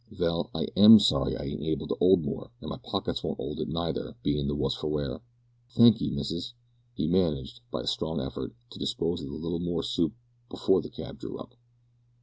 "Vell, I am sorry I ain't able to 'old more, an' my pockets wont 'old it neither, bein' the wuss for wear. Thankee, missus." He managed, by a strong effort, to dispose of a little more soup before the cab drew up.